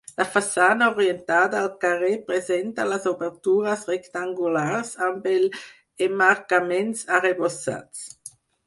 La façana orientada al carrer presenta les obertures rectangulars amb els emmarcaments arrebossats.